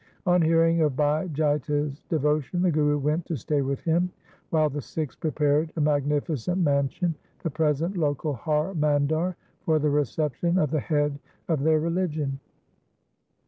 On hearing of Bhai Jaita's devotion, the Guru went to stay with him, while the Sikhs prepared a magni ficent mansion, the present local Har Mandar, for the reception of the head of their religion.